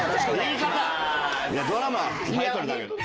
いやドラマのタイトルだけど。